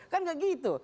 kan kayak gitu